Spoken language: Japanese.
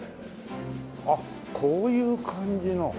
あっこういう感じの。